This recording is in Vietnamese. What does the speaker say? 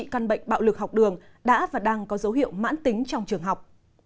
căn bệnh bạo lực học đường đã và đang có dấu hiệu mãn tính trong trường học